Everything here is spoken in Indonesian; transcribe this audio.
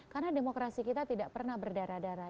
karena demokrasi kita tidak pernah berdarah darah